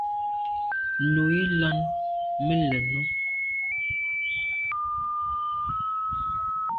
Nu i làn me lèn o.